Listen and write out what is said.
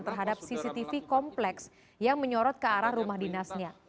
terhadap cctv kompleks yang menyorot ke arah rumah dinasnya